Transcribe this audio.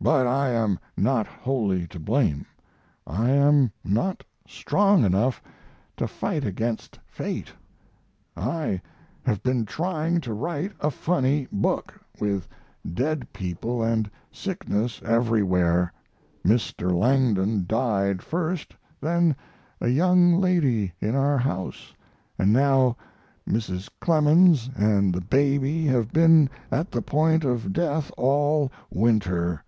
But I am not wholly to blame. I am not strong enough to fight against fate. I have been trying to write a funny book, with dead people and sickness everywhere. Mr. Langdon died first, then a young lady in our house, and now Mrs. Clemens and the baby have been at the point of death all winter!